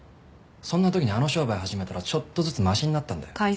そんな時にあの商売始めたらちょっとずつマシになったんだよ。